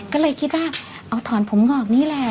ก็เลยคิดว่าเอาถอนผมงอกนี่แหละ